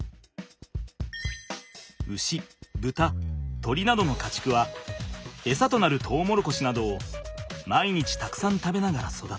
牛豚鶏などの家畜は餌となるトウモロコシなどを毎日たくさん食べながら育つ。